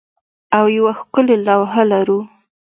او یوه ښکلې لوحه لرو